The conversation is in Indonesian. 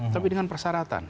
tapi dengan persyaratan